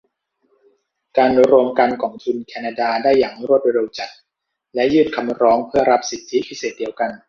การรวมกันของทุนแคนาดาได้อย่างรวดเร็วจัดและยื่นคำร้องเพื่อรับสิทธิพิเศษเดียวกัน